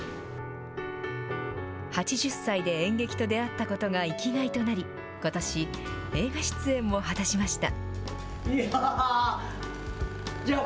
８０歳で演劇と出会ったことが生きがいとなり、ことし、映画出演も果たしました。